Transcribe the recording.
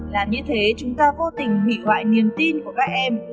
là như thế chúng ta vô tình hủy hoại niềm tin của các em